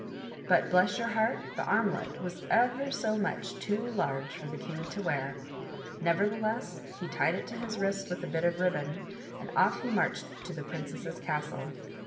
But, bless your heart ! the armlet was ever so much too lai^e for th^ THE WATER OF LIFE. king to wear ! Nevertheless he tied it to his wrist with a bit of ribbon, and off he marched to the princess's castle.